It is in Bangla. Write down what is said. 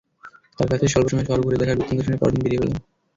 তার কাছেই স্বল্প সময়ে শহর ঘুরে দেখার বৃত্তান্ত শুনে পরদিন বেরিয়ে পড়লাম।